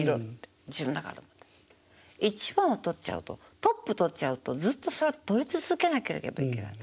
一番を取っちゃうとトップ取っちゃうとずっとそれ取り続けなければいけない。